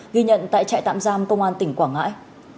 ghi nhận tại trại tạm giam công an tỉnh quảng ngãi